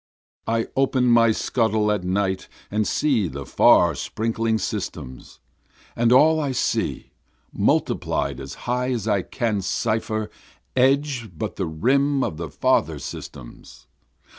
I open my scuttle at night and see the far sprinkled systems, And all I see multiplied as high as I can cipher edge but the rim of the farther systems.